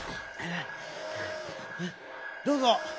どうぞ。